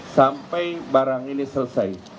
sampai barang ini selesai